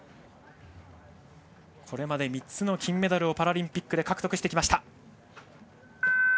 これまで３つの金メダルをパラリンピックで獲得しました。